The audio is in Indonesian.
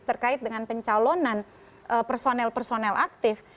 terkait dengan pencalonan personel personel aktif